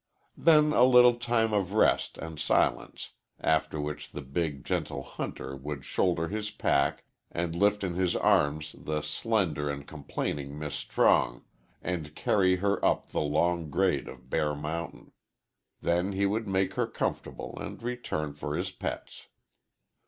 Then a little time of rest and silence, after which the big, gentle hunter would shoulder his pack and lift in his arms the slender and complaining Miss Strong and carry her up the long grade of Bear Mountain. Then he would make her comfortable and return for his pets.